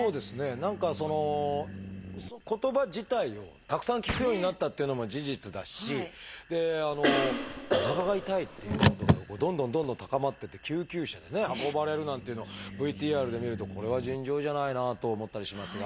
何かその言葉自体をたくさん聞くようになったっていうのも事実だしおなかが痛いっていうことがどんどんどんどん高まってって救急車で運ばれるなんていうのをＶＴＲで見るとこれは尋常じゃないなと思ったりしますが。